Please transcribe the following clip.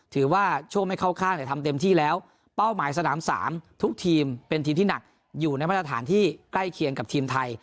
ถือว่าช่วงไม่เข้าข้างแต่ทำเต็มที่แล้วเป้าหมายสนาม๓ทุกทีมเป็นทีมที่หนักอยู่ในมาตรฐานที่ใกล้เคียงกับทีมไทย